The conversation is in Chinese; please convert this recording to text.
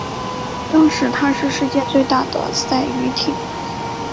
当时她是世界最大的赛渔艇。